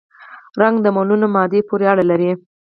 رنګ د ملونه مادې پورې اړه لري.